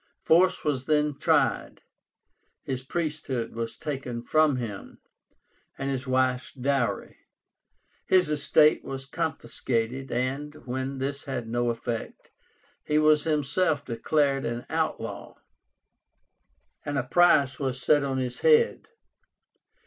Force was then tried. His priesthood was taken from him, and his wife's dowry. His estate was confiscated, and, when this had no effect, he was himself declared an outlaw, and a price was set on his head.